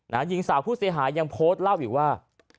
หญิงสาวผู้เสียหายยังโพสต์เล่าอีกว่า